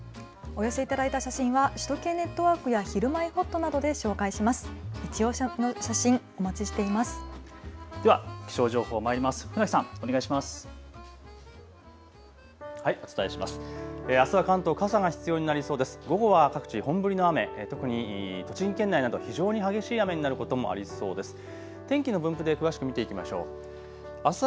お寄せいただいた写真は首都圏ネットワークやひるまえほっとなどで紹介します。